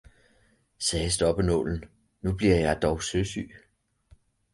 sagde stoppenålen, nu bliver jeg dog søsyg!